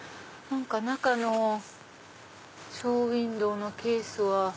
中のショーウインドーのケースは。